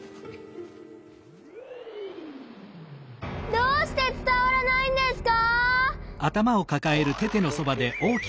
どうしてつたわらないんですか！？